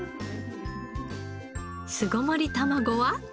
巣ごもり卵は？